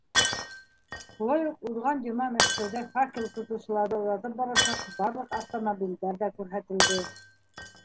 Шулай уҡ уҙған йома Мәскәүҙә факел тотоусыларҙы оҙатып барасаҡ барлыҡ автомобилдәр ҙә күрһәтелде.